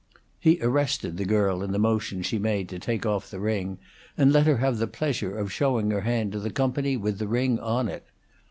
He arrested the girl in the motion she made to take off the ring, and let her have the pleasure of showing her hand to the company with the ring on it.